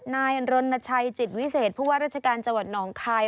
นายรณชัยจิตวิเศษผู้ว่าราชการจังหวัดหนองคาย